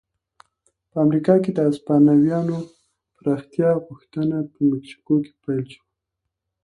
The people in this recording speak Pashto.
په امریکا کې د هسپانویانو پراختیا غوښتنه په مکسیکو پیل شوه.